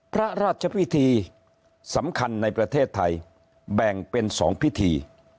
พระราชพิธีสำคัญในประเทศไทยแบ่งเป็น๒พิธี